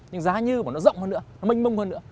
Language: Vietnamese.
nhưng giá như của nó rộng hơn nữa nó mênh mông hơn nữa